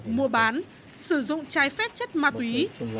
mua bán sử dụng trái phép chất ma túy